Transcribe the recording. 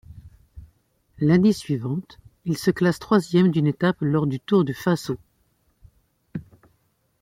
L'année suivante, il se classe troisième d'une étape lors du Tour du Faso.